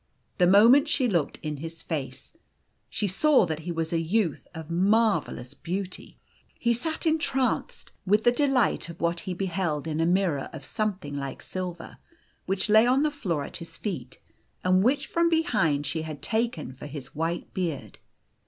The moment she looked in his face, she saw that he was a youth of marvellous beauty. He sat entranced with the delight of what he beheld in a mirror of something like silver, which lay on the floor at his feet, and which from behind she had taken for his white beard.